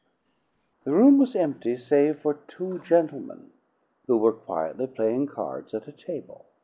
The room was empty save for two gentlemen, who were quietly playing cards at a table.